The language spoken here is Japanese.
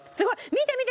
見て見て！